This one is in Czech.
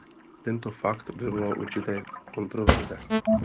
Tento fakt vyvolal určité kontroverze.